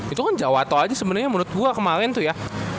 itu kan jawatow aja sebenernya menurut gue kemaren tuh ya